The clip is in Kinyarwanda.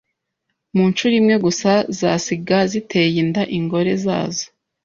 mu nshuro imwe gusa zasiga ziteye inda ingore zazo